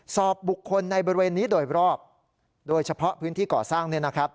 สอบบุคคลในบริเวณนี้โดยรอบโดยเฉพาะพื้นที่ก่อสร้าง